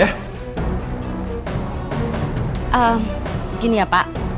ehm gini ya pak